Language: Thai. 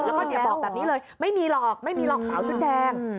แล้วก็บอกแบบนี้เลยไม่มีหรอกไม่มีหรอกสาวชุดแดง